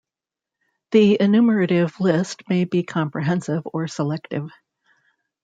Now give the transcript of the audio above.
The enumerative list may be comprehensive or selective.